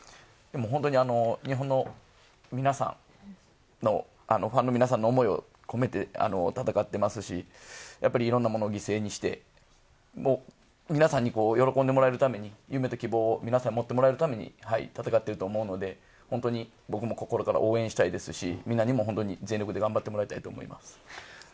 本当に日本の皆さん、ファンの皆さんの思いを込めて戦っていますし、いろんなものを犠牲にして、皆さんに喜んでもらえるために夢と希望を皆さんに持ってもらうために戦っていると思うので、本当に僕も心から応援したいですし、みんなにも全力で頑張ってほしいと思います。